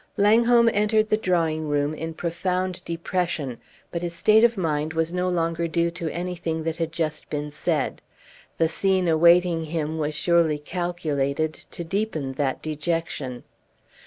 Langholm entered the drawing room in profound depression, but his state of mind was no longer due to anything that had just been said. The scene awaiting him was surely calculated to deepen that dejection.